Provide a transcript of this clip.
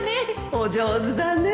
お上手だね